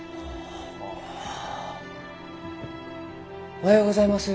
おはようございます。